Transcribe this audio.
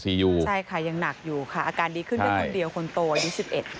ใช่ค่ะยังหนักอยู่ค่ะอาการดีขึ้นเรื่องนั้นเดียวคนโตอีก๑๑